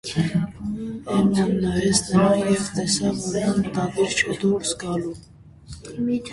Էմման նայեց նրան և տեսավ, որ նա մտադիր չէ դուրս գալու: